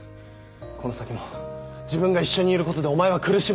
この先も自分が一緒にいることでお前は苦しむ。